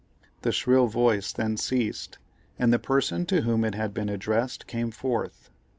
The shrill voice then ceased, and the person to whom it had been addressed came forth.